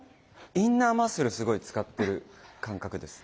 インナーマッスルすごい使ってる感覚です。